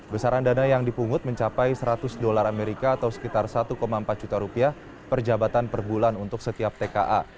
besaran dana yang dipungut mencapai seratus dolar amerika atau sekitar satu empat juta rupiah per jabatan per bulan untuk setiap tka